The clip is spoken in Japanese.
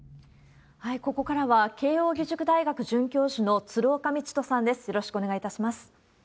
ここからは慶應義塾大学准教授の鶴岡路人さんです。